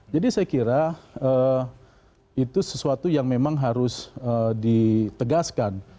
jadi saya kira itu sesuatu yang memang harus ditegaskan